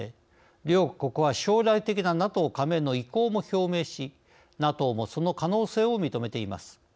両国は将来的なＮＡＴＯ加盟の意向も表明しＮＡＴＯもその可能性を認めています。